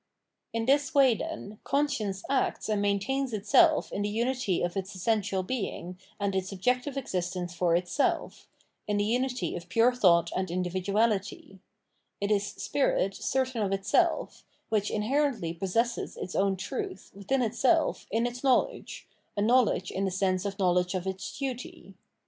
In this way, then, conscience acts and maintains itself in the unity of its essential being and its objective existence for itself, in the unity of pure thought and individuality : it is spirit certain of itself, which inherently po^esses its own truth, ■within itself, in its knowledge, a knowledge in the sense of know ledge of its duty.